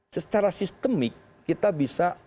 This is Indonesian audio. secara sistemik kita bisa